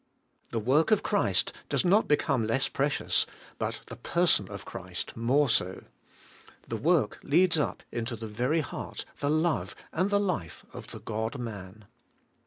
The work of Christ does not become less precious, but the person of Christ more so; the work leads up into the very heart, the love and the life of the God man.